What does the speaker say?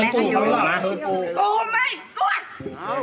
ปู่ไม่กลัว